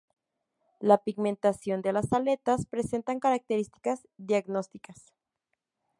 La pigmentación de las aletas presenta características diagnósticas.